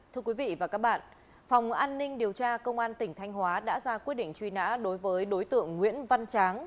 thưa quý vị và các bạn phòng an ninh điều tra công an tỉnh thanh hóa đã ra quyết định truy nã đối với đối tượng nguyễn văn tráng